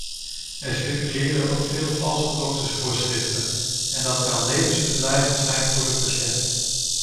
Er circuleren ook veel valse doktersvoorschriften en dat kan levensbedreigend zijn voor de patiënt.